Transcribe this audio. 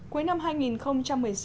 cuối năm hai nghìn một mươi sáu